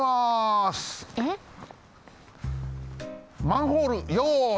マンホールよし！